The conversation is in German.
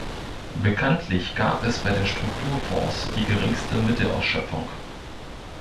Bekanntlich gab es bei den Strukturfonds die geringste Mittelausschöpfung.